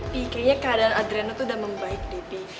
pi kayaknya keadaan adreno tuh udah membaik deh pi